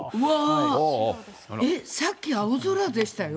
えっ、さっき青空でしたよ？